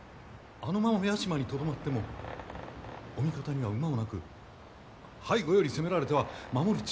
あのまま屋島にとどまってもお味方には馬もなく背後より攻められては守る地形も不利。